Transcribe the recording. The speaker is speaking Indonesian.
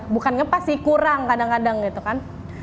bukan ngepas sih kurang kadang kadang gitu kan